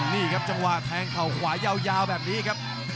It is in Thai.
นี่ครับจังหวะแทงเข่าขวายาวแบบนี้ครับ